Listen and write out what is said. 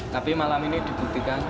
tapi malam ini dibuktikan